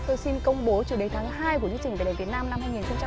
tôi xin công bố chủ đề tháng hai của chương trình về đèn việt nam năm hai nghìn một mươi tám